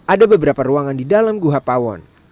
ada beberapa ruangan di dalam guha pawon